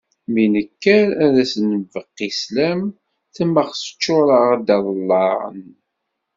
Mi nekker ad as-nbeqqi sslam temmeɣ teččur-aɣ-d aḍellaɛ n